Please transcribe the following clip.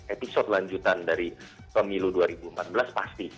episode lanjutan dari pemilu dua ribu empat belas pasti